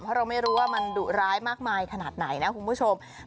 เพราะเราไม่รู้ว่ามันดุร้ายมากมายขนาดไหนนะคุณผู้ชม